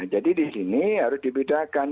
jadi di sini harus dibedakan